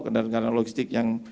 kendaraan kendaraan logistik yang